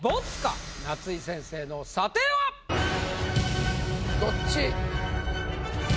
夏井先生の査定は⁉どっち？